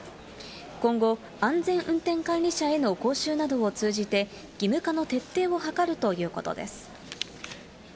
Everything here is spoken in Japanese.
今後、安全運転管理者への講習などを通じて、義務化の徹底を図るということです。